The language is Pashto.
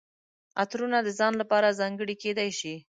عطرونه د ځان لپاره ځانګړي کیدای شي.